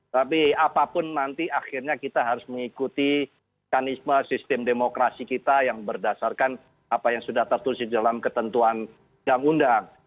tapi apapun nanti akhirnya kita harus mengikuti mekanisme sistem demokrasi kita yang berdasarkan apa yang sudah tertulis di dalam ketentuan yang undang